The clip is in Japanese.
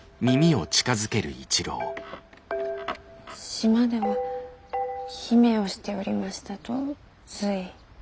島では姫をしておりましたとつい。